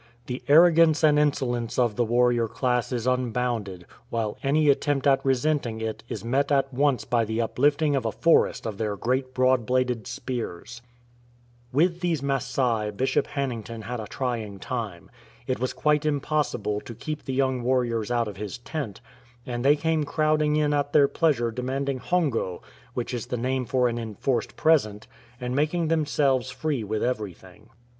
The arrogance and inso lence of the warrior class is unbounded, while any attempt at resenting it is met at once by the uplifting of a forest of their great broad bladed spears. With these Masai Bishop Hannington had a trying time. It was quite impossible to keep the young warriors out of his tent, and they came crowding in at their pleasure demanding hongo, which is the name for an enforced pre sent, and making themselves free with everything.